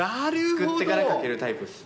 作ってからかけるタイプです。